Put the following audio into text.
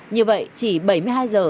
như vậy chỉ bảy mươi hai giờ